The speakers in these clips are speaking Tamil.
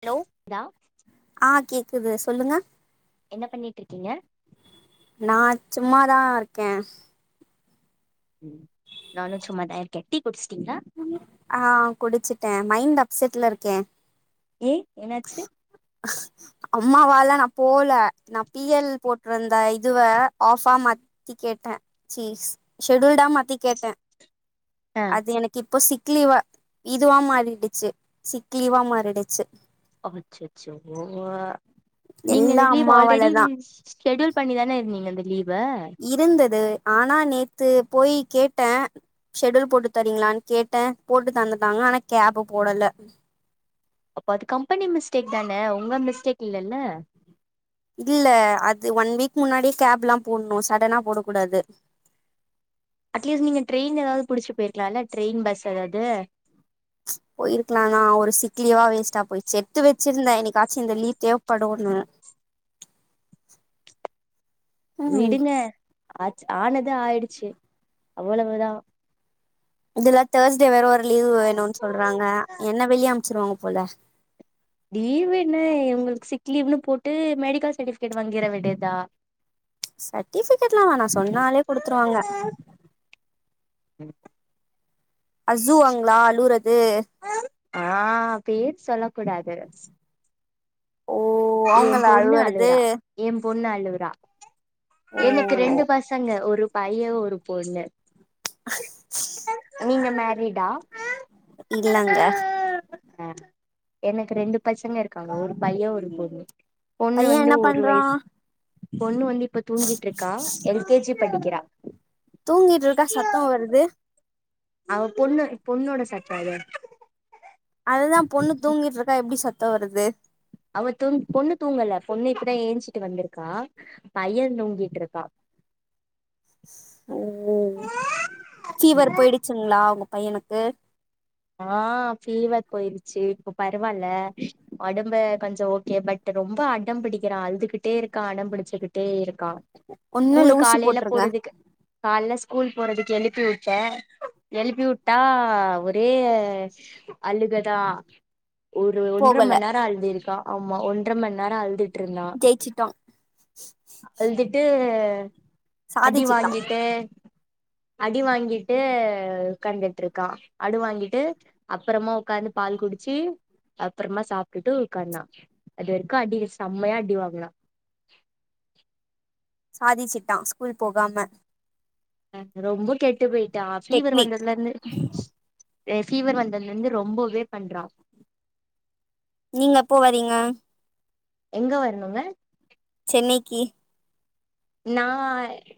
ஹலோ தா ஆ கேக்குது சொல்லுங்க என்ன பண்ணிட்ருக்கீங்க நா சும்மாதாருக்கே ம் நானு சும்மாதாருக்கே டீ குடிச்சிட்டீங்ளா ஆ குடிச்சிட்டே மைன்ட் அப்செட்லருக்கே ஏ என்னாச்சு அம்மாவால நா போல நா பி எல் போட்ருந்த இதுவ ஆஃபா மா த்தி கேட்டே சீஸ் ஷெடியூல்டா மாத்தி கேட்டே ஆ அது எனக்கு இப்ப சிக் லீவா இதுவா மாறிடுச்சு சிக் லீவா மாறிடுச்சு அச்சச்சோ நீங்க எல்லா லீவ் ஆல்ரெடி அம்மாவாலதா ஷெடியூல் பண்ணிதான இருந்தீங்க இந்த லீவ இருந்தது ஆனா நேத்து போயி கேட்டே ஷெடியூல் போட்டு தரீங்ளான் கேட்டே போட்டு தந்துட்டாங்க ஆனா கேப்பு போடல அப்ப அது கம்பெனி மிஸ்டேக் தான உங்க மிஸ்டேக் இல்லெல்ல இல்ல அது ஒன் வீக் முன்னாடியே கேப்ல்லா போட்ணு சடனா போடக் கூடாது அட்லீஸ்ட் நீங்க ட்ரெயின் எதாவ்து புடிச்சு போய்ருக்கலால ட்ரெயின் பஸ் எதாவ்து போய்ருக்லா தா ஒரு சிக் லீவா வேஸ்ட்டா போய்ச்சு எத்து வச்சுருந்தே என்னைக்காச்சு இந்த லீவ் தேவப்படுனு ம் விடுங்க ஆச்சு ஆனது ஆய்டுச்சு அவ்ளவுதா இதுல தேர்ஸ்டே வேற ஒரு லீவ் வேணுன் சொல்றாங்க என்ன வெளிய அம்ச்சிருவாங்க போல லீவ்வென்ன ஒங்களுக்கு சிக் லீவ்னு போட்டு மெடிக்கல் சர்டிஃபிகேட் வாங்கிற வேண்டியதா சர்டிஃபிகேட்ல்லா வேணா சொன்னாலே குடுத்துருவாங்க அஸ்ஸுவாங்ளா அழுவுறது ஆ பேர் சொல்லக் கூடாது ஓ எம் அவங்களா பொண்ணு அழுவுறது அழுவரா எம் பொண்ணு அழுவுரா ஓ எனக்கு ரெண்டு பசங்க ஒரு பைய ஒரு பொண்ணு நீங்க மேரிடா இல்லங்க அ எனக்கு ரெண்டு பசங்க இருக்காங்க ஒரு பைய ஒரு பொண் பொண்ணு பைய வந்து என்ன ஒரு பண்றா வயசு பொண்ணு வந்து இப்ப தூங்கிட்ருக்கா எல் கே ஜி படிக்கிறா தூங்கிட்ருக்கா சத்தோ வருது அவப் பொண்ணோ பொண்ணோட சத்தோ அதே அதுதா பொண்ணு தூங்கிட்ருக்கா எப்டி சத்தோ வருது அவத் துங் பொண்ணு தூங்கல பொண்ணு இப்பதா ஏஞ்சிட்டு வந்துருக்கா பையந் தூங்கிட்ருக்கா ம் ஃபீவர் ம் போயிடுச்சுங்ளா வுங்க பையனுக்கு ஆ ஃபீவர் போயிருச்சு இப்போ பரவால்ல ஒடம்பு கொஞ்சோ ஓகே பட் ட் ரொம்போ அடம் புடிக்கிறா அழுதுகிட்டே இருக்கா அடம் புடிச்சுகிட்டே இருக் கா ஒன்னு இல்ல ஸ்கூல் ஊசி காலைலப் போட்ருங்க போறதுக்கு கால்ல ஸ்கூல் போறதுக்கு எழுப்பி வுட்டே எழுப்பி வுட்டா டே அழுகதா ஒரு ஒன்ற போகல மண் நேரோ அழுதிருக்கா ஆமா ஒன்ற மண் நேரோ அழுதுட்ருந்தா ஜெயிச்சிட்டோ அழ்துட்டு அடி சாதிச்சிட்டா வாங்கிட்டு அடி வாங்கிட்டு கண்டுட்ருக்கா அடு வாங்கிட்டு அப்றோமா வுக்காந்து பால் குடிச்சி அப்றோமா சாப்ட்டுட்டு வுக்காந்தா அது வரைக்கு அடி செம்மையா அடி வாங்கனா சாதிசிட்டா ஸ்கூல் போகாம ரொம்ப கெட்டு போயிட்டா ஃபீவர் டெக்னிக் வந்ததுலருந்து அ ஃபீவர் வந்ததுலந்து ரொம்பவே பண்றா நீங்க எப்போ வரீங்க எங்க வரணுங்க சென்னைக்கி நா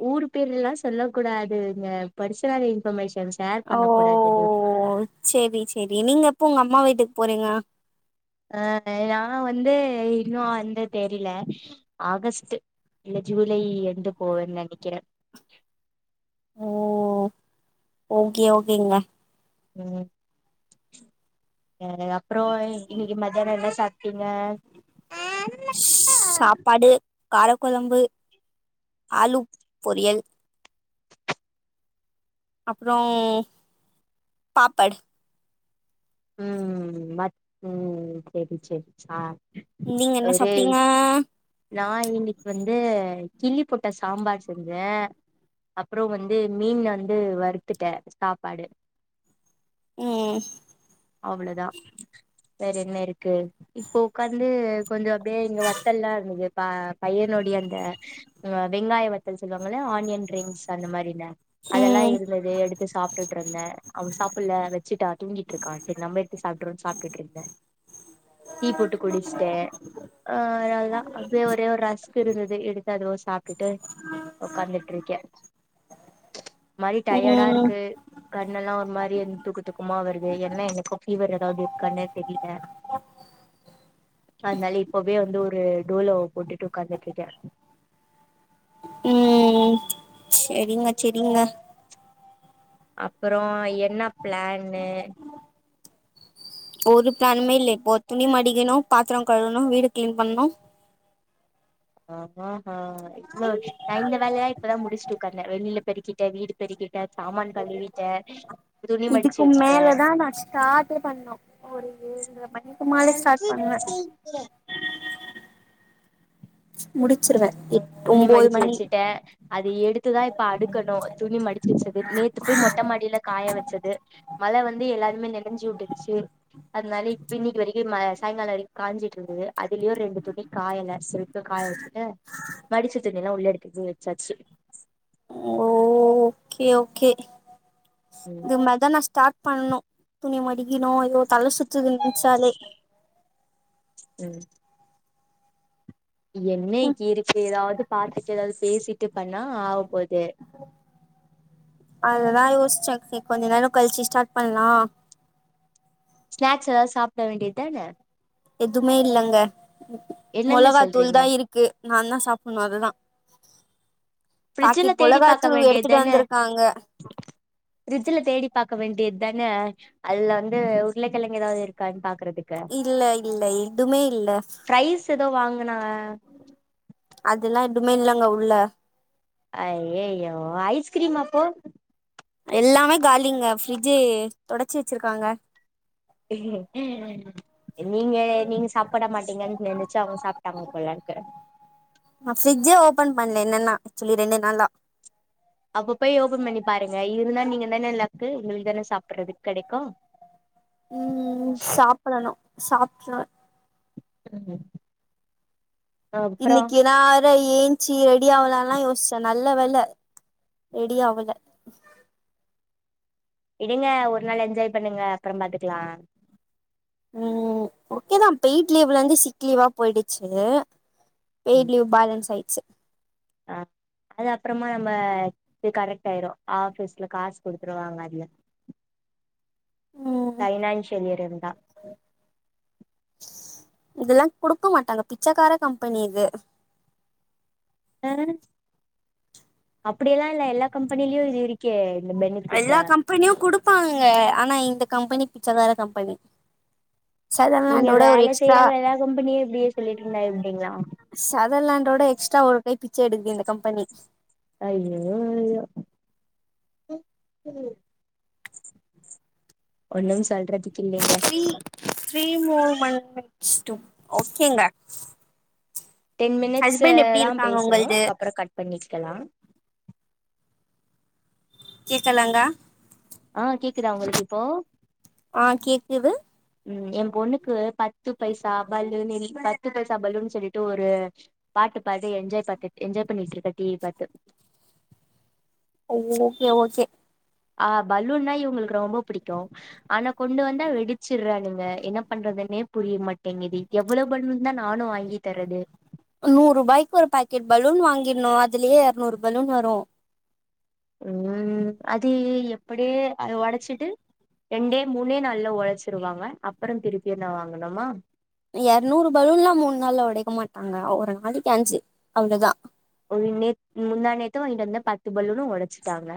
ஊர் பேர்லா சொல்லக் கூடாதுங்க பர்சனல் இன்ஃபர்மேஷன்ஸ் ஷேர் ஓ பண்ணக் கூடாது டியூட் சேரி சேரி நீங்க எப்போ வுங்க அம்மா வீட்டுக் போறீங்க அ நா வந்து இன்னு வந்து தெரில ஆகஸ்ட்டு இல்ல ஜூலை என்டு போவேன் நெனைக்கிறே ஓ ஓகே ஓகேங்க ம் எ அப்றோ இன்னைக்கு மத்யானோ என்ன சாப் டிங்க ஸ் சாப்பாடு காரக்கொழம்பு ஆலுப் பொரியல் அப்றோ பாப்படு ம் மத் ம் செரி செரிச் சா ம் நீங்க என்ன ஒரே சாப்டீங்க நா இன்னிக் வந்து கிள்ளிப் போட்ட சாம்பார் செஞ்சே அப்றோ வந்து மீன் வந்து வறுத்துட்டே சாப்பாடு ம் அவ்ளதா வேற என்ன இருக்கு இப்போ உக்காந்து கொஞ்சோ அப்டியே இங்க வத்தல்ல இருந்தது பா பையனுடைய அந்த வெங்காய வத்தல் சொல்லுவாங்கல்ல ஆனியன் ரிங்ஸ் அந்த மாரிலா அதல்லா ம் இருந்தது எடுத்து சாப்ட்டுட்டு இருந்த அவன் சாப்பட்ல வச்சுட்டா தூங்கிட்டு இருக்கான் எடுத்து சாப்ட்றோ சாப்டுட்டு இருந்த டீ போட்டு குடிச்சிட்ட ஆ அவ்ளோதா அப்டியே ஒரே ஒரு ரஸ்க் இருந்தது எடுத்து அதுவு சாப்ட்டுட்டு உக்காந்துட்ருக்கே ஒரு மாரி டயர்டா ம் இருக்கு கண்ணெல்லா ஒரு மாரி எ தூக்கு தூக்கமா வருது என்ன எனக் கா ஃபீவர் எதாவது இருக்கான்னே தெரில அதனால இப்பவே வந்து ஒரு டோலோ போட்டுட்டு உட்கார்ந்துட்டு இருக்க ம் செரிங்க செரிங்க அப்றோ என்ன பிளான்னு ஒரு பிளானுமே இல்லே இப்ப துணி மடிக்கணு பாத்ரோ கழணு வீடு க்ளீன் பண்ணு ஆஹஹா நா இந்த வேலைய இப்பதா முடிச்சுட்டு உக் காந்த வெளில பெருக்கிட்ட வீடு பெருக்கிட்ட சாமான் கழுவிட்ட இதுக்கு மேலதா நா ஷ்டார்டே பண்ணு ஒரு இது ரெண்டற மணிக்கு மேலே ஸ்டார்ட் பண்ணுவ முடிச்சிருவ இப் துணி மடிச்சு வச்சுட்ட அது எடுத்துதா இப்ப அடுக்கணு துணி மடிச்சி வச்சது நேத்து போய் மொட்ட மாடில காய வச்சது மழ வந்து எல்லாருமே நெனஞ்சு வுட்டுச்சு அதனால இப்ப இன்னிக்கு வரைக்கு மழ சாயங்கால வரைக்கு காஞ்சிட்டு இருக்குது அதுலயு ரெண்டு துணி காயல்ல சுருக்க காய வச்சுட்டு மடிச்ச துணி எல்லா உள்ள எடுத்து போய் வச்சாச்சு ஓ ஓகே ஓகே ம் இதுமத் தா நா ஸ்டார்ட் பண்ணு துணி மடிக்கிணு அயோ தல சுத்துது நெனச்சாலே ம் ம் என்னைக்கு இருக்கு ஏதாவது பார்த்துட்டு எதாவது பேசிட்டு பண்ணா ஆவ போது அததா யோஸ்ச இப் கொஞ்ச நேரம் கழிச்சு ஸ்டார்ட் பண்லா ஸ்நாக்ஸ் எதாவது சாப்ட வேண்டியதான எதுமே இல்லங்க என்னங்க மொளகாத்தூள் சொல்றீங்க தா இருக்கு நாதா சாப்புட்ணு அதுதா ஃப்ரிட்ஜ்ல பாக்கிட் தேடி பாக்க மொளகாதூள் வேண்டியது எடுத்துட்டு வந்திருக்காங்க ஃப்ரிட்ஜல தேடி பார்க்க வேண்டியதான அதுல வந்து உருளக்கிழங்க ஏதாவது இருக்கான்னு பாக்குறது இல்ல இல்ல எதுமே இல்ல ஃப்ரைஸ் ஏதோ வாங்குனா அதெல்லா எதுமே இல்லங்க உள்ள ஐயையோ ஐஸ்கிரீம் அப்போ எல்லாமே காலிங்க ஃப்ரிட்ஜு தொடச்சி வச்சிருக்காங்க உஹம் உம் நீங்க நீங்க சாப்புட மாட்டீங்கன்னு நெனச்சு அவுங்க சாப்புட்டாங்க போல இருக்கு நா ஃப்ரி்ஜே ஓபன் பண்ல என்னன்னா ஆக்சுவலி ரெண்டு நாளா அப்ப போய் ஓபன் பண்ணி பாருங்க இருந்தா நீங்க தான லக்கு உங்களுக்கு தான சாப்பறதுக்கு கெடைக்கு ம் சாப்படணு சாப்ட்ருவ [inaudible] இன்னிக்கி நா ஏன்சி ரெடி ஆவுலான்லா யோசிச்சே நல்ல வேல ரெடி ஆவல விடுங்க ஒரு நாள் என்ஜாய் பண்ணுங்க அப்பறம் பாத்துக்கலா ம் ஓகேதா பெயிட் லீவ்ல இருந்து சிக் லீவா போயிடுச்சு பேய்டு லீவ் பேலன்ஸ் ஆயிடுச்சு அ அது அப்பறமா நம்ம இது கரெக்ட் ஆயிரு ஆபீஸ்ல காசு குடுத்துருவாங்க அதுல ம் பைனான்சியல் இயர் இருந்தா இதெல்லா குடுக்க மாட்டாங்க பிச்சக்கார கம்பெனி இது ம் அப்படி எல்லா இல்ல எல்லா கம்பெனிலயு இது இரு கே இந்த பெனி எல்லா ஃபிட்டு கம்பெனியு குடுப்பாங்க ஆனா இந்த கம்பெனி பிச்சகார கம்பெனி நீங்க சதர்லாண்டோட ஒரு வேல எக்ஸ்ட்ரா செய்யற எல்லா கம்பெனியு இப்டியே சொல்லிட்ருந்தா எப்டிங்களா சதர்லாண்டோட எக்ஸ்ட்ரா ஒரு கை பிச்ச எடுக்குது இந்த கம்பெனி ஐய்யே ஐய்யே ஒன்னும் சொல்றதுக்கு இல்லீங்க த்ரீ த்ரீ மேர் மண்ணீட்ஸ் டு ஓகேங்க டென் மினிட்ஸ் ஹஸ்பண்ட் எப்டி தா இருக்காங்க பேசணு உங்கள்து அதுக்கப்ரோ கட் பண்ணிக்கலா கேக்கலங்கா ஆ கேக்குதா உங்களுக்கு இப்போ ஆ கேக்குது ம் ஏ பொண்ணுக்கு பத்து பைசா பலுனில் பத்து பைசா பலுன்னு சொல்லிட்டு ஒரு பாட்டு பாடி என்ஜாய் பாத்து என்ஜாய் பண்ணிட்ருக்க டிவி பாத்து ஓகே ஓகே ஆ பலூன்னா இவங்களுக்கு ரொம்ப புடிக்கு ஆனா கொண்டு வந்தா வெடிச்சுறானுங்க என்ன பண்றதுன்னே புரிய மாட்டேங்குது எவ்வளவு பலூன்தா நானு வாங்கி தரது நூறு ரூபாய்க்கு ஒரு பாக்கெட் பலூன் வாங்கிடணு அதுலயே இரநூறு பலூன் வரு ம் அது எப்படியே அத ஒடச்சிட்டு ரெண்டே மூணே நாள்ல ஒடச்சுருவாங்க அப்பரோ திருப்பியு நா வாங்கனுமா எரநூறு பலூன்லா மூணு நாள்ல ஒடைக்க மாட்டாங்க ஒரு நாளைக்கு ஆஞ்சு அவ்ளோதா ஒரு நே முந்தா நேத்த வாங்கிட்டு வந்த பத்து பலுன்னு ஒடச்சுட்டாங்க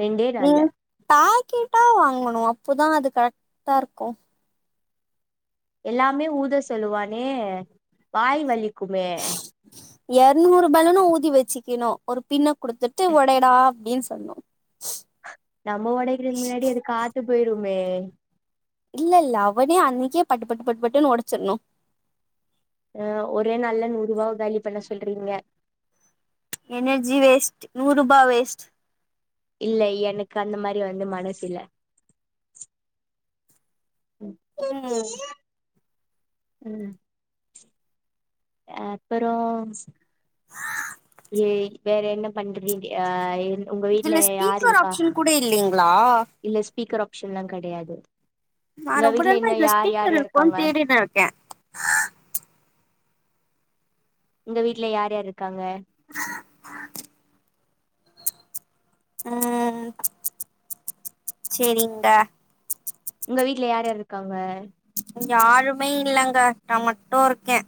ரெண்டே நீ நாள்ல பாக்கெட்டா வாங்கணு அப்போதா அது கரெக்டா இருக்கு எல்லாமே ஊத சொல்லுவானே வாய் வலிக்குமே எரநூறு பலூனு ஊதி வெச்சுக்கணு ஒரு பின்ன குடுத்துட்டு ஒடைடா அப்டின்னு சொல்லனு நம்ம ஒடைக்கறதுக்கு முன்னாடி அது காத்து போயிருமே இல்ல இல்ல அவனே அன்னைக்கே பட்டுப்பட்டு பட்டுப்பட்டுனு ஒடச்சரனு ஆ ஒரே நாள்ல நூறுரூபாவ காலி பண்ண சொல்றீங்க எனர்ஜி வேஸ்ட் நூறு ரூபா வேஸ்ட் இல்ல எனக்கு அந்த மாரி வந்து மனசில்ல ம் ம் ம் அப்பரோ ஏ வேற என்ன பண்றீ ஆ உங்க வீட்ல இதுல யார் ஸ்பீக்கர் இருக்கா ஆப்ஷன் கூட இல்லீங்களா இல்ல ஸ்பீக்கர் ஆப்ஷன் எல்லா கெடையாது நா உங்க ரொம்ப வீட்ல நேரமா இன்னு இதுல யார் யார் ஸ்பீக்கர் யார் இருக்குனு இருக்காங்க தேடினு இருக்கே உங்க வீட்ல யார் யார் இருக்காங்க ஆஹ்ஹ் [inaudible] ம் சேரிங்டா உங்க வீட்ல யார் யார் இருக்காங்க இங்க யாருமே இல்லங்க நா மட்டு இருக்கே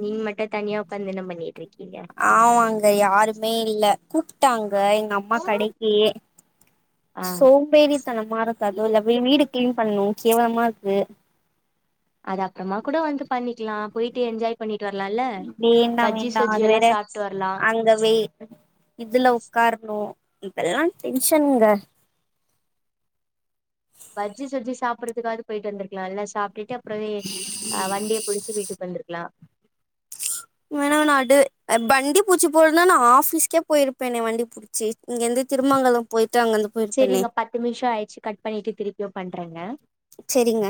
நீங் மட்டு தனியா ஒக்காந்து என்ன பண்ணிட்டு இருக்கீங்க ஆமாங்க யாருமே இல்ல, கூப்ட்டாங்க எங்க அம் மா கடைக்கி ஆ சோ ம்பேறித்தனமா இருக்கு அதுவுல்ல வீ வீடு கிளீன் பண்னு கேவலமா இருக்கு அது அப்புறமா கூட வந்து பண்ணிக்கலா போயிட்டு என்ஜாய் பண்ணிட்டு வரலால பஜ்ஜி சொஜ்ஜி எல்லா சாப்புட்டு வரலா இந்த வெயில் இதுல உட்காரணு இதெல்லா டென்ஷன்ங்க பஜ்ஜி சொஜ்ஜி சாப்ட்றதுக்காவது போயிட்டு வந்திருக்கலா இல்ல சாப்டுட்டு அப்பறமே அ வண்டி புடிச்சு வீட்டுக்கு வந்திருக்லா வேணா வேணா டு அ வண்டி புடிச்சி போறதுன்னா நா ஆஃபிஸ்க்கே போயிருப்பேனே வண்டி புடி ச்சு இங்கிருந்து திருமங்கலம் போயிட்டு அங்கந்து போயிருப்பேனே சேரிங்க பத்து நிமிஷ ஆயிடுச்சு கட் பண்ணிட்டு திருப்பியு பண்றேங்க செரிங்க